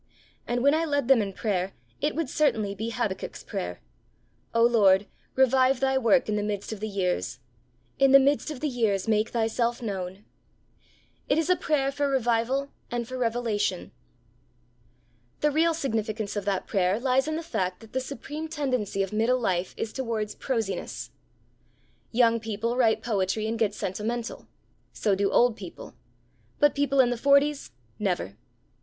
And when I led them in prayer, it would certainly be Habakkuk's prayer: 'O Lord, revive Thy work in the midst of the years; in the midst of the years make Thyself known!' It is a prayer for revival and for revelation. The real significance of that prayer lies in the fact that the supreme tendency of middle life is towards prosiness. Young people write poetry and get sentimental: so do old people. But people in the forties never!